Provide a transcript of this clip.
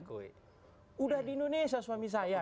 sudah di indonesia suami saya